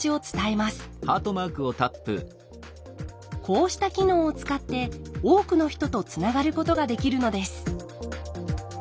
こうした機能を使って多くの人とつながることができるのです。